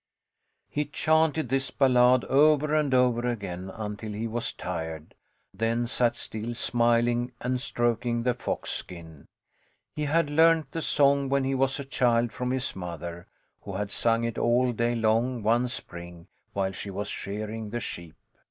He chanted this ballad over and over again until he was tired, then sat still, smiling and stroking the fox skin. He had learned the song when he was a child from his mother, who had sung it all day long one spring while she was shearing the sheep.